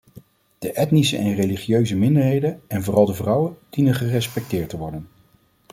De etnische en religieuze minderheden en vooral de vrouwen dienen gerespecteerd te worden.